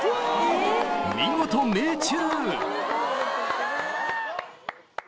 見事命中！